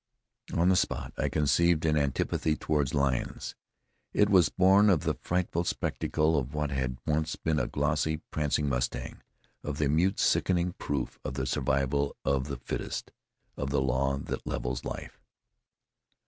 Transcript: On the spot I conceived an antipathy toward lions. It was born of the frightful spectacle of what had once been a glossy, prancing mustang, of the mute, sickening proof of the survival of the fittest, of the law that levels life.